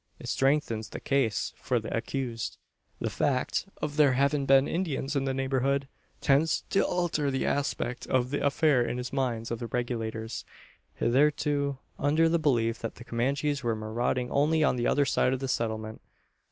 It strengthens the case for the accused. The fact, of there having been Indians in the neighbourhood, tends to alter the aspect of the affair in the minds of the Regulators hitherto under the belief that the Comanches were marauding only on the other side of the settlement.